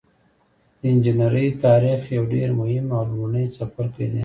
د انجنیری تاریخ یو ډیر مهم او لومړنی څپرکی دی.